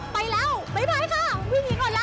ไปแล้วบ๊ายบายค่ะวิ่งหนีก่อนแล้ว